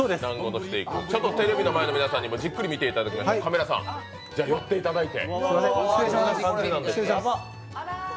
テレビの前の皆さんにもじっくり見ていただきたいので、カメラさん、寄っていただいて。